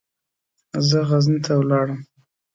زه غزني ته ولاړم.